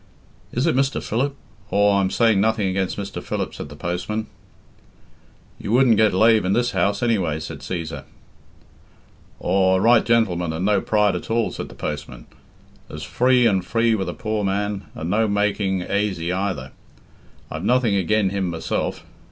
"Is it Mr. Philip? Aw, I'm saying nothing against Mr. Philip," said the postman. "You wouldn't get lave in this house, anyway," said Cæsar. "Aw, a right gentleman and no pride at all," said the postman. "As free and free with a poor man, and no making aisy either. I've nothing agen him myself.